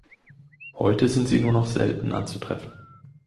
Heute sind sie nur noch selten anzutreffen.